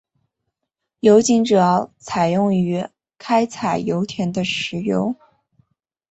油井主要用于开采油田的石油。